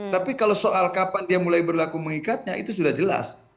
tapi kalau soal kapan dia mulai berlaku mengikatnya itu sudah jelas